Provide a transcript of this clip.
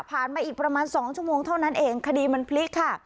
มาอีกประมาณ๒ชั่วโมงเท่านั้นเองคดีมันพลิกค่ะ